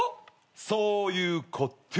そういうことぅ。